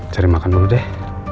cari makan dulu deh